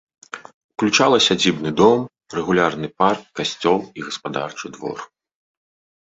Уключала сядзібны дом, рэгулярны парк, касцёл і гаспадарчы двор.